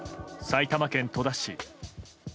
埼玉県戸田市。